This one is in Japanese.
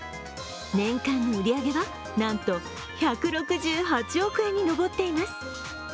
年間の売り上げはなんと１６８億円に上っています。